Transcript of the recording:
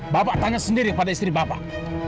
bapak tanya sendiri pada istri bapak